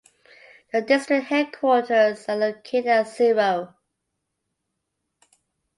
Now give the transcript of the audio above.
The district headquarters are located at Ziro.